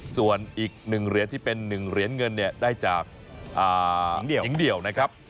ส่วนอีก๑เหรียญที่เป็น๑เหรียญเงินเนี่ยได้จากหญิงเดี่ยวนะครับ